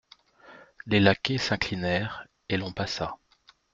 Les laquais s'inclinèrent et l'on passa.